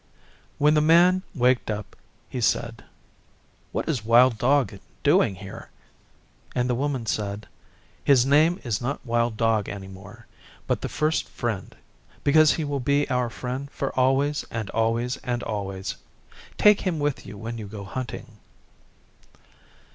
When the Man waked up he said, 'What is Wild Dog doing here?' And the Woman said, 'His name is not Wild Dog any more, but the First Friend, because he will be our friend for always and always and always. Take him with you when you go hunting.